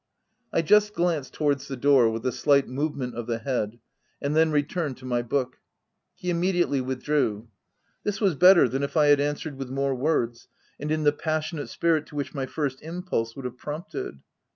I just glanced towards the door, with a slight movement of the head, and then returned to my book. He immediately withdrew. This was better than if I had answered with more words, and in the passionate spirit to which my first impulse would have prompted.